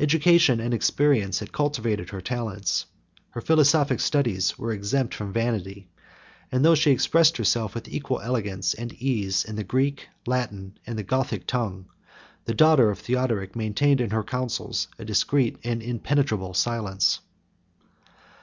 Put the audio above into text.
Education and experience had cultivated her talents; her philosophic studies were exempt from vanity; and, though she expressed herself with equal elegance and ease in the Greek, the Latin, and the Gothic tongue, the daughter of Theodoric maintained in her counsels a discreet and impenetrable silence.